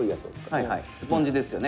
川西：「スポンジですよね」